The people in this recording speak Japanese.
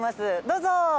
どうぞ！